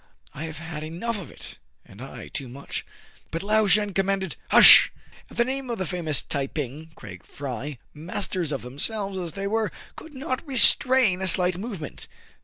I have had enough of it." "And I too much." " But Lao Shen commanded "—" Hush h !" At the name of the famous Tai ping, Craig Fry, masters of themselves as they were, could not re strain a slight movement.